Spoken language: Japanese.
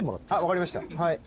分かりましたはい。